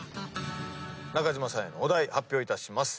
中島さんへのお題発表いたします。